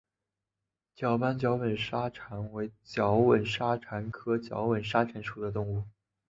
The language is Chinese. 色斑角吻沙蚕为角吻沙蚕科角吻沙蚕属的动物。